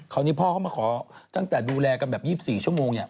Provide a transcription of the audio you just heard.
คราวนี้พ่อเขามาขอตั้งแต่ดูแลกันแบบ๒๔ชั่วโมงเนี่ย